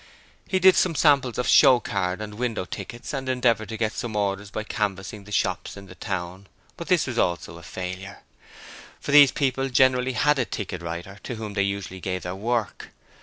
He did some samples of showcard and window tickets and endeavoured to get some orders by canvassing the shops in the town, but this was also a failure, for these people generally had a ticket writer to whom they usually gave their work.